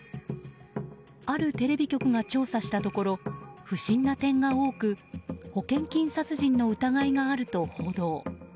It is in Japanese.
あるテレビ局が調査したところ不審な点が多く保険金殺人の疑いがあると報道。